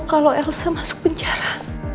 kalau elsa masuk penjara